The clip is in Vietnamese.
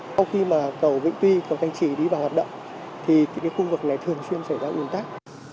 sau khi mà cầu vĩnh tuy cầu thanh trì đi vào hoạt động thì cái khu vực này thường xuyên xảy ra un tắc